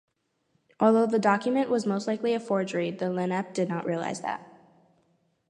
Although the document was most likely a forgery, the Lenape did not realize that.